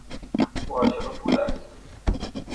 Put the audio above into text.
او عاشق پول است.